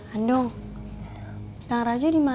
andung nara aja di mana